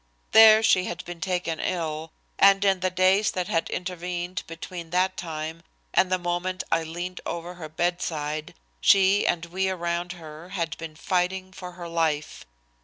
There she had been taken ill, and in the days that had intervened between that time and the moment I leaned over her bedside she and we around her had been fighting for her life.